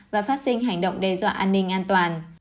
và phát sinh hành động đe dọa an ninh an toàn